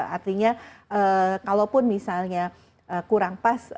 artinya kalaupun misalnya kurang pas